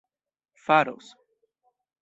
faros